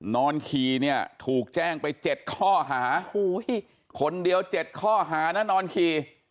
นอนขี่เนี่ยถูกแจ้งไป๗ข้อหาคนเดียว๗ข้อหานะนอนขี่